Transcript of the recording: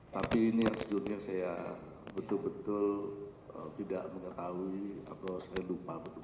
tapi ini yang sejujurnya saya betul betul tidak mengetahui atau saya lupa betul